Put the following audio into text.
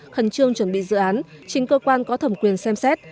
khẩn trương chuẩn bị dự án trình cơ quan có thẩm quyền xem xét